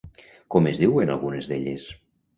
Com es diuen algunes d'elles?